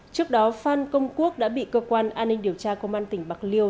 trước đó phan công quốc đã bị cơ quan an ninh điều tra công an tỉnh bạc liêu